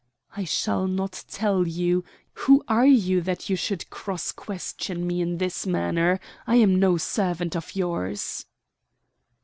"I shall not tell you. Who are you that you should cross question me in this manner? I am no servant of yours."